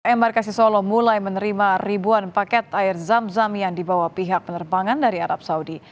embarkasi solo mulai menerima ribuan paket air zam zam yang dibawa pihak penerbangan dari arab saudi